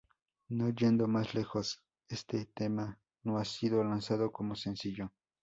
No yendo más lejos, este tema no ha sido lanzado como sencillo.